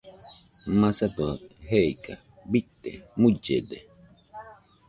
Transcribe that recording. Masato jeika bite mullede.